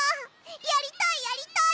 やりたいやりたい！